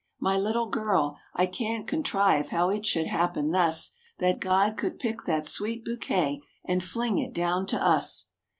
My little girl I can't contrive how it should happen thus That God could pick that sweet bouquet, and fling it down to us!